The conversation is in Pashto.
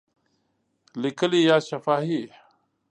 لیکلي یا شفاهی؟